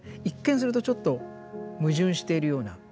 一見するとちょっと矛盾しているような